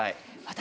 私。